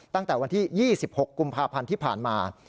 ตั้งแต่วันที่๒๖กุมภาพันธ์ที่ผ่านมา